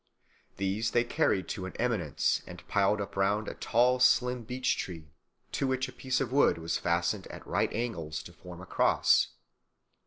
These they carried to an eminence and piled up round a tall, slim beech tree, to which a piece of wood was fastened at right angles to form a cross.